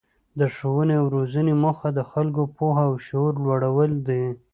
د ښوونې او روزنې موخه د خلکو پوهه او شعور لوړول دي.